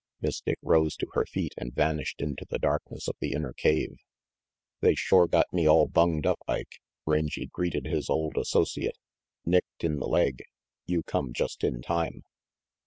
Miss Dick rose to her feet and vanished into the darkness of the inner cave. RANGY PETE 387 "They shore got me all bunged up, Ike," Rangy greeted his old associate. "Nicked in the leg. You come just in time."